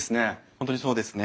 本当にそうですね。